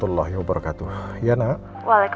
hal rbi aluminium potsnya kaliancek